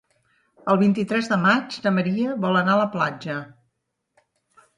El vint-i-tres de maig na Maria vol anar a la platja.